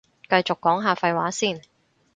繼續講下廢話先